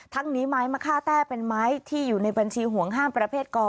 ทั้งนี้ไม้มะค่าแต้เป็นไม้ที่อยู่ในบัญชีห่วงห้ามประเภทก